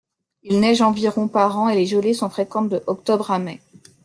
Il neige environ par an et les gelées sont fréquentes de octobre à mai.